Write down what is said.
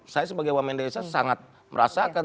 saya sebagai wamen desa sangat merasakan